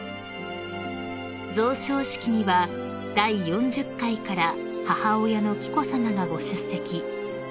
［贈賞式には第４０回から母親の紀子さまがご出席］